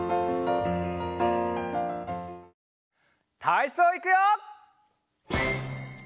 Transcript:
たいそういくよ！